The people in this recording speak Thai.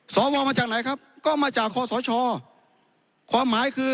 สวมาจากไหนครับก็มาจากคอสชความหมายคือ